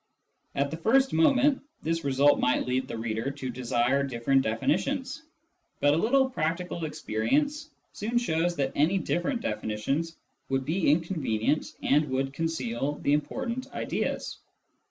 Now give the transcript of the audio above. At the first moment, this result might lead the reader to desire different definitions, but a little practical experience soon shows that any different definitions would be inconvenient and would conceal the important ideas.